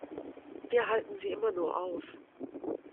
Wir halten Sie immer nur auf.